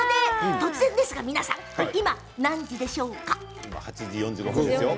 突然ですが皆さん、今、何時でしょうか？